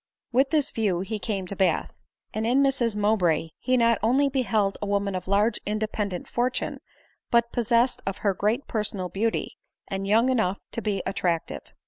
With this view he came to Bath ; and in Mrs Mowbray he not only beheld a woman of large independent fortune, but possessed of great personal beauty, and young enough to be attractive.